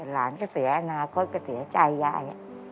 หลานก็เสียอนาคตก็เสียใจยาย